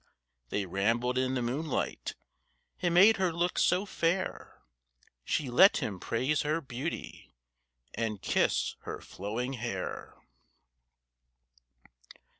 They rambled in the moonlight; It made her look so fair. She let him praise her beauty, And kiss her flowing hair.